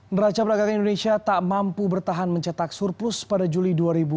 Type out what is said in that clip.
neraca pedagang indonesia tak mampu bertahan mencetak surplus pada juli dua ribu delapan belas